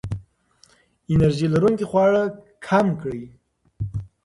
انرژي لرونکي خواړه کم کړئ.